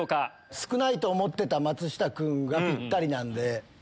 少ないと思ってた松下君がピッタリなんで。